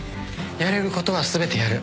やれることは全てやる。